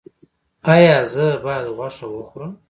ایا زه باید غوښه وخورم؟